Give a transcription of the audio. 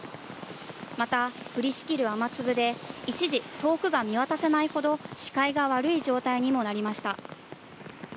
また、降りしきる雨粒で一時、遠くが見渡せないほど視界が悪い状態にもなりました。